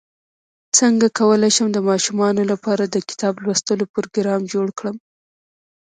څنګه کولی شم د ماشومانو لپاره د کتاب لوستلو پروګرام جوړ کړم